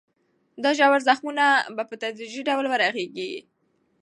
دا ژور زخمونه به په تدریجي ډول ورغېږي.